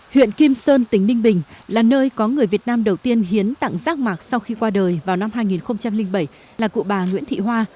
huyện kim sơn tỉnh ninh bình là nơi có người việt nam đầu tiên hiến tặng rác mạc sau khi qua đời vào năm hai nghìn bảy là cụ bà nguyễn thị hoa